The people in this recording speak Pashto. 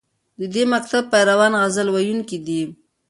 د دې مکتب پیروان غزل ویونکي دي